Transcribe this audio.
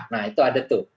nah itu ada tuh